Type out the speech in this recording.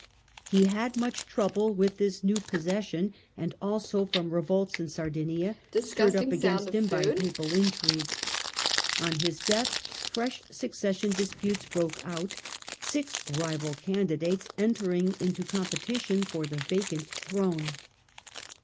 He had much trouble with this new posses Aragon!" sion, and also from revolts in Sardinia, stirred up against ^^^^ him by Papal intrigue. On his death, fresh succession disputes broke out, six rival candidates entering into competition for the vacant throne.